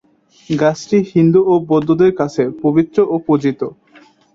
গাছটি হিন্দু এবং বৌদ্ধদের কাছে পবিত্র ও পূজিত।